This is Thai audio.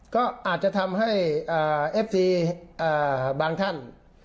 ก็อาจจะทำให้เอฟซีบางท่าน